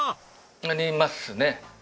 なりますね。